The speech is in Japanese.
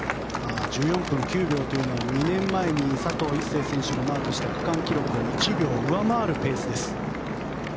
１４分９秒というのは２年前に佐藤一世選手がマークした区間記録を１秒上回るペースです。